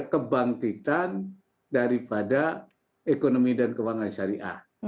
kebangkitan daripada ekonomi dan keuangan syariah